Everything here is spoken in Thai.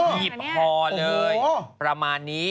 อ๋อหยิบห่อเลยประมาณนี้